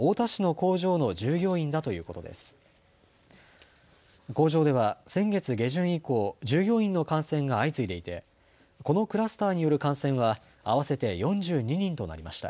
工場では先月下旬以降、従業員の感染が相次いでいてこのクラスターによる感染は合わせて４２人となりました。